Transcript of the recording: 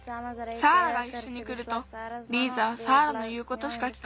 サーラがいっしょにくるとリーザはサーラのいうことしかきかなくなるから。